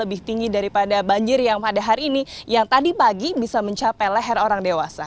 lebih tinggi daripada banjir yang pada hari ini yang tadi pagi bisa mencapai leher orang dewasa